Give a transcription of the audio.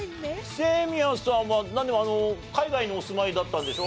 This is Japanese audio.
清宮さんはなんでも海外にお住まいだったんでしょ？